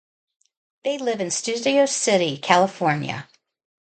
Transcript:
They live in Studio City, California.